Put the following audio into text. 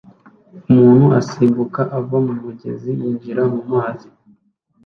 Umuntu asimbuka ava mumigezi yinjira mumazi